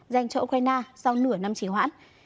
dành cho ukraine sau nửa năm chỉ hoãn